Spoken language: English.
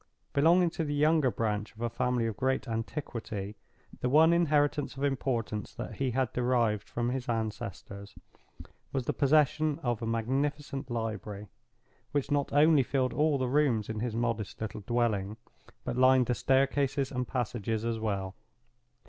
Belonging to the younger branch of a family of great antiquity, the one inheritance of importance that he had derived from his ancestors was the possession of a magnificent library, which not only filled all the rooms in his modest little dwelling, but lined the staircases and passages as well.